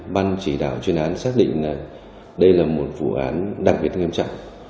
ban chỉ đạo chuyên án xác định là đây là một vụ án đặc biệt nghiêm trọng